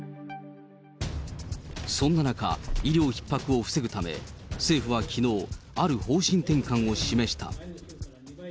そんな中、医療ひっ迫を防ぐため、政府はきのう、ある方針転換を示した。